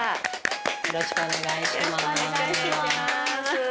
よろしくお願いします。